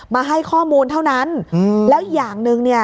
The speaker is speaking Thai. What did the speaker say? มาให้ข้อมูลเท่านั้นแล้วอย่างหนึ่งเนี่ย